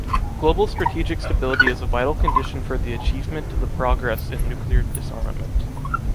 Global strategic stability is a vital condition for the achievement the progress in nuclear disarmament.